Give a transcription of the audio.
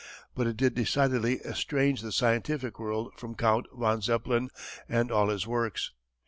But it did decidedly estrange the scientific world from Count von Zeppelin and all his works.